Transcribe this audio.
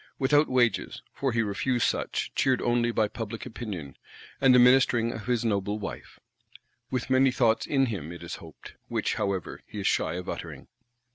Without wages, for he refused such; cheered only by Public Opinion, and the ministering of his noble Wife. With many thoughts in him, it is hoped;—which, however, he is shy of uttering.